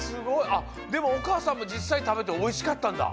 あっでもおかあさんもじっさい食べておいしかったんだ。